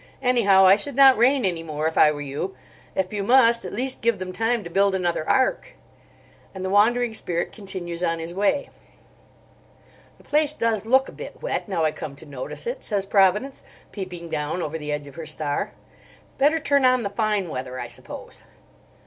"Anyhow, I should not rain any more, if I were you. If you must, at least give them time to build another ark." And the Wandering Spirit continues on his way. "The place does look a bit wet, now I come to notice it," says Providence, peeping down over the edge of her star. "Better turn on the fine weather, I suppose."